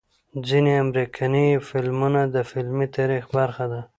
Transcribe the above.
ځنې امريکني فلمونه د فلمي تاريخ برخه ده